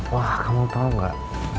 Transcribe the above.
wah kamu tau gak